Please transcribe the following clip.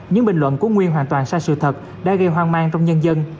những bình luận của nguyên hoàn toàn sai sự thật đã gây hoang mang trong nhân dân